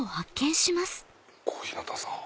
小日向さん。